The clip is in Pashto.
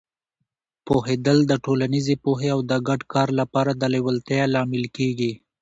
پوهېدل د ټولنیزې پوهې او د ګډ کار لپاره د لیوالتیا لامل کېږي.